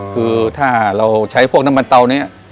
คือถ้าเราใช้พวกน้ำมันเตานี้